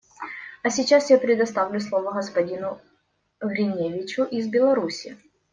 А сейчас я предоставляю слово господину Гриневичу из Беларуси.